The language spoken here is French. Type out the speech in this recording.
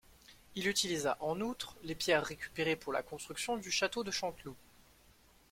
Il utilisa en outre les pierres récupérées pour la construction du château de Chanteloup.